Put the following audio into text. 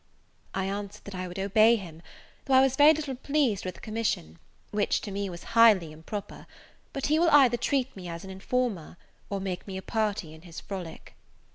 I answered that I would obey him, though I was very little pleased with the commission, which, to me, was highly improper; but he will either treat me as an informer, or make me a party in his frolic.